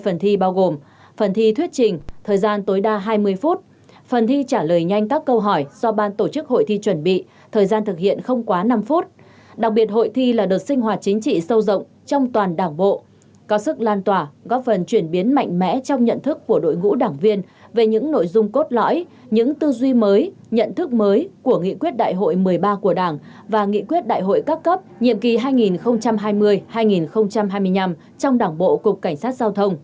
phần thi bao gồm phần thi thuyết trình thời gian tối đa hai mươi phút phần thi trả lời nhanh các câu hỏi do ban tổ chức hội thi chuẩn bị thời gian thực hiện không quá năm phút đặc biệt hội thi là đợt sinh hoạt chính trị sâu rộng trong toàn đảng bộ có sức lan tỏa góp phần chuyển biến mạnh mẽ trong nhận thức của đội ngũ đảng viên về những nội dung cốt lõi những tư duy mới nhận thức mới của nghị quyết đại hội một mươi ba của đảng và nghị quyết đại hội các cấp nhiệm kỳ hai nghìn hai mươi hai nghìn hai mươi năm trong đảng bộ cục cảnh sát giao thông